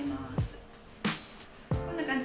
こんな感じです。